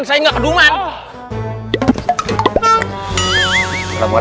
sayang gak keduman